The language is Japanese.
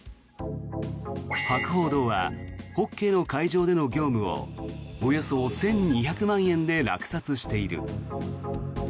博報堂はホッケーの会場での業務をおよそ１２００万円で落札している。